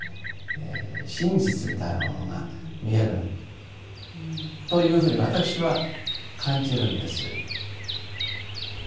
真実みたいなものが見えるというふうに私は感じるんです。